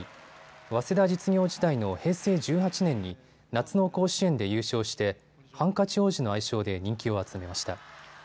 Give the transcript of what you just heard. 早稲田実業時代の平成１８年に夏の甲子園で優勝してハンカチ王子の愛称で人気を集めました。